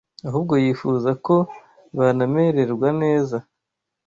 ahubwo yifuza ko banamenererwa neza